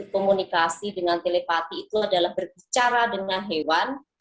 komunikasi dengan telepati itu adalah berbicara dengan hewan